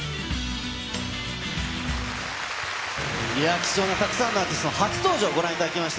貴重なたくさんのアーティストの初登場、ご覧いただきました。